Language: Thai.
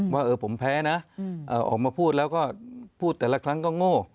ว่าผมแพ้นะออกมาพูดแล้วก็พูดแต่ละครั้งก็โง่